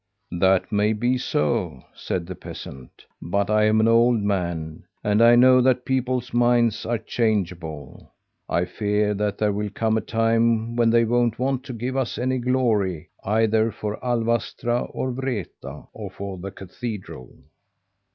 "'That may be so,' said the peasant. 'But I'm an old man, and I know that people's minds are changeable. I fear that there will come a time when they won't want to give us any glory, either for Alvastra or Vreta or for the cathedral.'